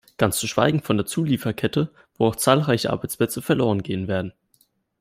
Ganz zu schweigen von der Zulieferkette, wo auch zahlreiche Arbeitsplätze verloren gehen werden.